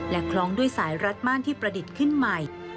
คล้องด้วยสายรัดม่านที่ประดิษฐ์ขึ้นใหม่